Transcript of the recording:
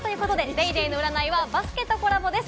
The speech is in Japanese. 『ＤａｙＤａｙ．』の占いはバスケとコラボです。